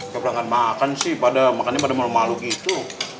keberangan makan sih pada makannya pada malu malu gitu